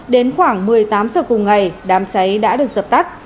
đến khoảng một mươi tám h cùng ngày đám cháy đã được dập tắt